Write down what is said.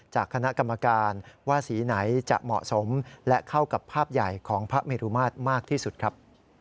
จากคณะกรรมการว่าสีไหนจะเหมาะสมและเข้ากับภาพใหญ่ของพระเมรุมาตรมากที่สุดครับ